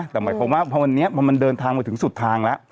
แต่หมายความว่าพอวันนี้พอมันเดินทางมาถึงสุดทางแล้ว